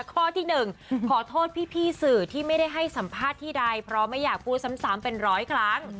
ข้อที่๑ขอโทษพี่สื่อที่ไม่ได้ให้สัมภาษณ์ที่ใดเพราะไม่อยากพูดซ้ำเป็นร้อยครั้ง